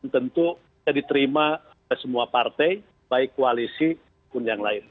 tentu bisa diterima oleh semua partai baik koalisi pun yang lain